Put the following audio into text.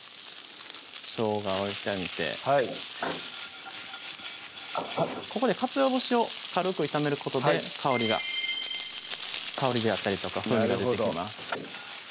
しょうがを炒めてはいここでかつお節を軽く炒めることで香りが香りであったりとか風味が出てきます